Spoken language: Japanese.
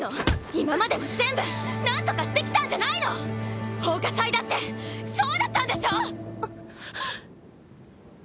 今までも全部なんとかしてきたんじゃないの⁉奉火祭だってそうだったんでしょ⁉あっ。